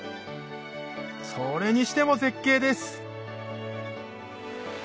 それにしても絶景です